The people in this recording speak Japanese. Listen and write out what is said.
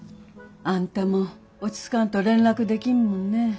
あんたも落ち着かんと連絡できんもんね。